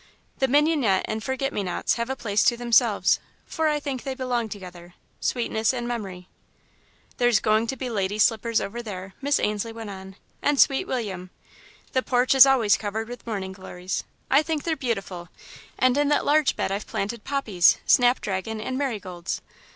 The mignonette and forget me nots have a place to themselves, for I think they belong together sweetness and memory. "There's going to be lady slippers over there," Miss Ainslie went on, "and sweet william. The porch is always covered with morning glories I think they're beautiful and in that large bed I've planted poppies, snap dragon, and marigolds.